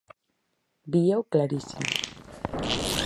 Víao clarísimo.